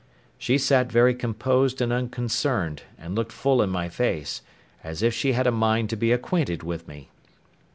She sat very composed and unconcerned, and looked full in my face, as if she had a mind to be acquainted with me.